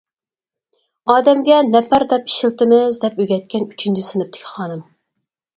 ئادەمگە نەپەر دەپ ئىشلىتىمىز دەپ ئۆگەتكەن ئۈچىنچى سىنىپتىكى خانىم.